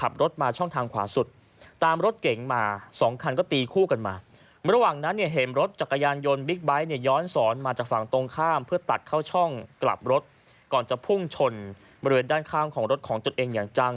บอกว่าเขาอ้างแบบนี้นะ